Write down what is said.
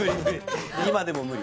今でも無理